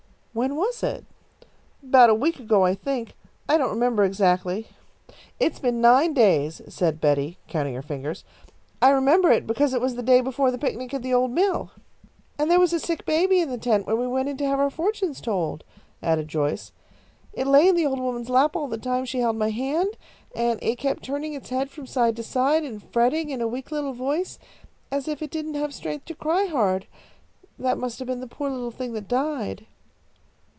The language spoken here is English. "When was it?" "About a week ago, I think. I don't remember exactly." "It's been nine days," said Betty, counting her fingers. "I remember it because it was the day before the picnic at the old mill." "And there was a sick baby in the tent when we went in to have our fortunes told," added Joyce. "It lay in the old woman's lap all the time she held my hand, and it kept turning its head from side to side, and fretting in a weak little voice as if it didn't have strength to cry hard. That must have been the poor little thing that died."